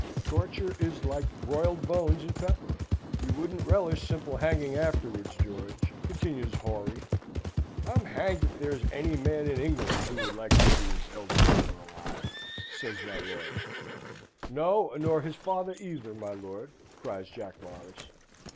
"Torture is like broiled bones and pepper. You wouldn't relish simple hanging afterwards, George!" continues Horry. "I'm hanged if there's any man in England who would like to see his elder brother alive," says my lord. "No, nor his father either, my lord!" cries Jack Morris.